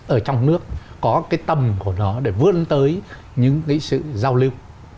ở trong nước có cái tầm của nó để vươn tới những cái sự giao lưu